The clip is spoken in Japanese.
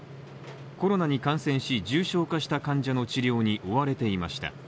コロナに感染し、重症化した患者の治療に追われていました。